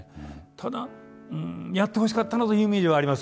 ただうんやってほしかったなというイメージはありますね